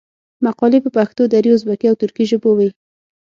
مقالي په پښتو، دري، ازبکي او ترکي ژبو وې.